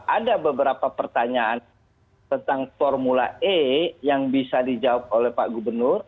ada beberapa pertanyaan tentang formula e yang bisa dijawab oleh pak gubernur